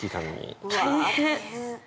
大変。